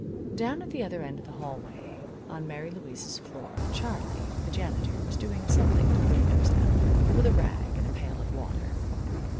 Down at the other end of the hallway on Mary Louise's floor Charlie, the janitor, was doing something to the windows now, with a rag, and a pail of water.